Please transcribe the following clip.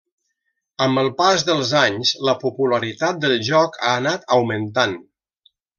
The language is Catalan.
Amb el pas dels anys la popularitat del joc ha anat augmentant.